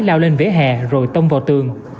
lao lên vỉa hè rồi tông vào tường